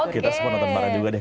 kita semua nonton bareng juga deh